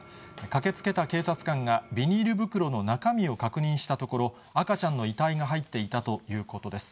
駆けつけた警察官がビニール袋の中身を確認したところ、赤ちゃんの遺体が入っていたということです。